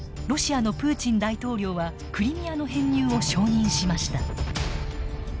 ロシアのプーチン大統領はクリミアの編入を承認しました。